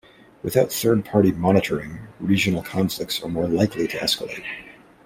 Without third-party monitoring, regional conflicts are more likely to escalate.